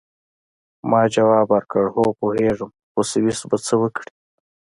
ما ځواب ورکړ: هو، پوهیږم، خو سویس به څه وکړي؟